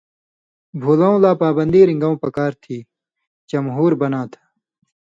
بھولؤں لا پابندی رِن٘گؤں پکار تھی، جمہور بناں تھہ۔